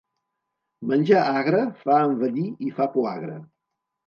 Menjar agre fa envellir i fa poagre.